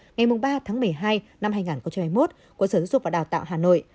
ngày ba một mươi hai hai nghìn hai mươi một của sở dục và đào tạo hà nội